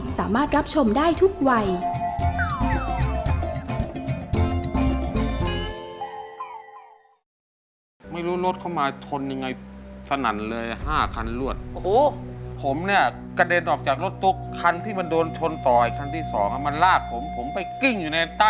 สามารถรับชมได้ทุกวัย